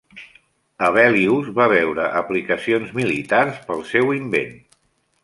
Hevelius va veure aplicacions militars pel seu invent.